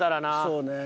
そうね。